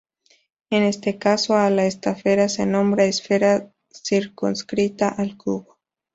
En este caso a la esfera se nombra "esfera circunscrita" al cubo.